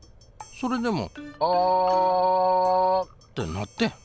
それでも「あぁあぁ」ってなってん！